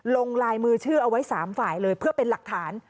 ลงลายมือชื่อเอาไว้๓ฝ่ายเลยเพื่อเป็นหลักฐาน